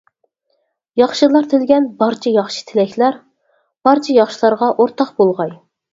ياخشىلار تىلىگەن بارچە ياخشى تىلەكلەر، بارچە ياخشىلارغا ئورتاق بولغاي.